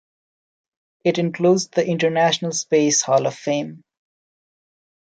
It includes the International Space Hall of Fame.